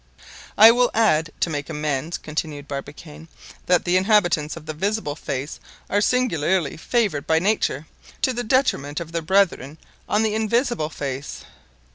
"I will add, to make amends," continued Barbicane, "that the inhabitants of the visible face are singularly favored by nature, to the detriment of their brethren on the invisible face.